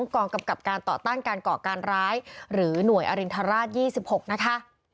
กองกำกับการต่อต้านการก่อการร้ายหรือหน่วยอรินทราช๒๖นะคะ